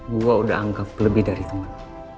gue udah anggap lebih dari teman